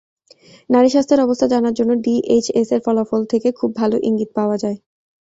নারীস্বাস্থ্যের অবস্থা জানার জন্য ডিএইচএসের ফলাফল থেকে খুব ভালো ইঙ্গিত পাওয়া যায়।